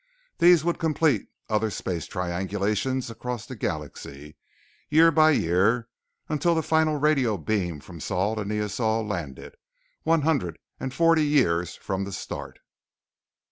These would complete other space triangulations across the galaxy, year by year until the final radio beam from Sol to Neosol landed, one hundred and forty years from the start.